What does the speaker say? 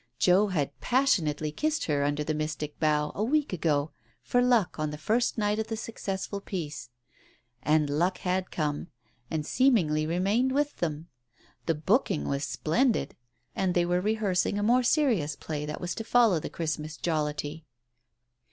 Joe had passionately kissed her under the mystic bough, a week ago, for luck, on the first night of the successful piece. And luck had come, and seem ingly remained with them. The booking was splendid. And they were rehearsing a more serious play that was to follow the Christmas jollity.